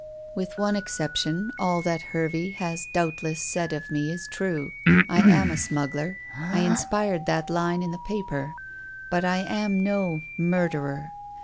"With one exception all that Hervey has doubtless said of me is true. I am a smuggler; I inspired that line in the paper; but I am no murderer.